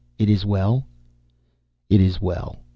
It is well?" "It is well.